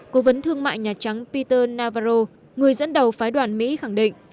cố vấn thương mại nhà trắng peter navarro người dẫn đầu phái đoàn mỹ khẳng định